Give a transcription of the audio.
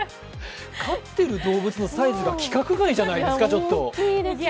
飼ってる動物のサイズがちょっと規格外じゃないですか。